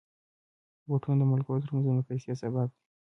بوټونه د ملګرو ترمنځ د مقایسې سبب دي.